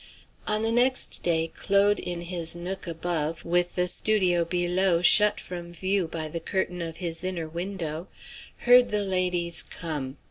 On the next day, Claude, in his nook above, with the studio below shut from view by the curtain of his inner window, heard the ladies come.